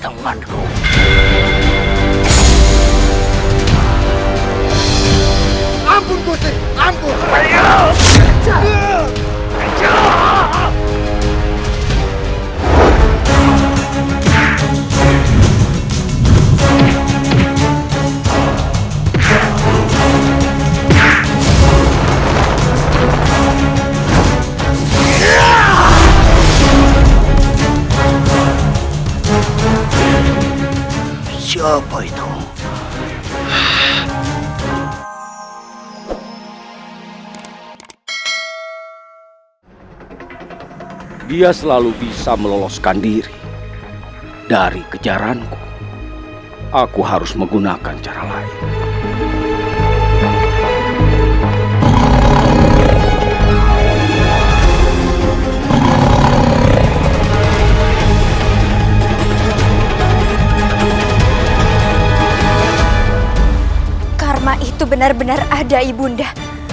sampai jumpa di video selanjutnya